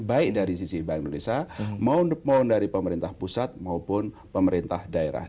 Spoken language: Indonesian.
baik dari sisi bank indonesia mohon dari pemerintah pusat maupun pemerintah daerah